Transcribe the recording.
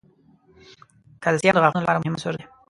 کلسیم د غاښونو لپاره مهم عنصر دی.